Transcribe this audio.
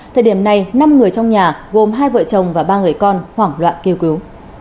thời điểm này năm người trong nhà gồm hai vợ chồng và ba người con hoảng loạn kêu cứu